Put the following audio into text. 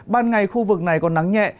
ban ngày khu vực này còn nắng nhẹ